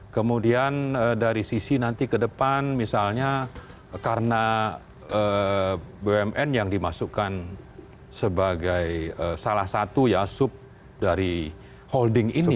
kemudian dari sisi nanti ke depan misalnya karena bumn yang dimasukkan sebagai salah satu ya sub dari holding ini